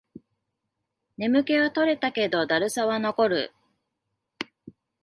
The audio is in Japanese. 眠気は取れたけど、だるさは残る